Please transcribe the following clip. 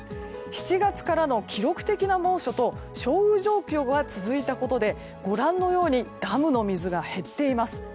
７月からの記録的な猛暑と少雨状況が続いたことでご覧のようにダムの水が減っています。